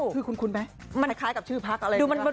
คือคุณไหมคล้ายกับชื่อพรรคอะไร